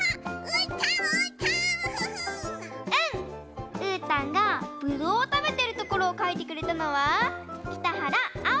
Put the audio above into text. うーたんがぶどうをたべてるところをかいてくれたのはきたはらあ